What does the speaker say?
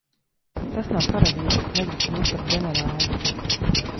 Tas nav karavīrs, kas negrib kļūt par ģenerāli.